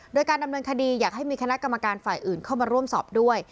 โดยการดำเนินคดีอยากให้มีคณะกรรมการฝ่ายอื่นเข้ามาร่วมสอบด้วย